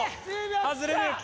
外れる。